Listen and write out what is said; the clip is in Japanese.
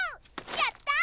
やった！